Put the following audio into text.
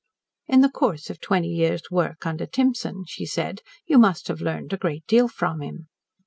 "In the course of twenty years' work under Timson," she said, "you must have learned a great deal from him."